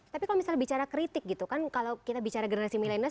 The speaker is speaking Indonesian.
tapi kalau misalnya bicara kritik gitu kan kalau kita bicara generasi milenial